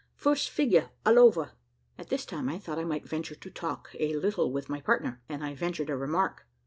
First figure all over." At this time I thought I might venture to talk a little with my partner, and I ventured a remark.